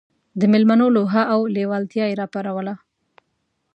د مېلمنو لوهه او لېوالتیا یې راپاروله.